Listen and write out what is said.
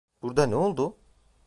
Burada ne oldu?